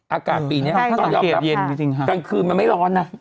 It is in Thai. อากาศปีนี้ต้องยอมรับกลางคืนมันไม่ร้อนนะ